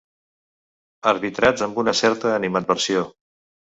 Arbitrats amb una certa animadversió.